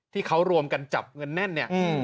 ที่เขารวมกันจับเงินแน่นเนี่ย